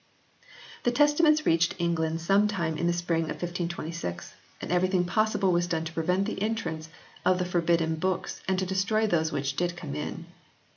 The Testaments reached England some time in the spring of 1526, and everything possible was done to prevent the entrance of the forbidden books and to destroy those which did come in.